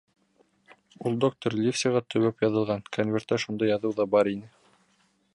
Ул доктор Ливсиға төбәп яҙылған, конвертта шундай яҙыу ҙа бар ине: